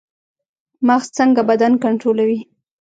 مغز څنګه بدن کنټرولوي؟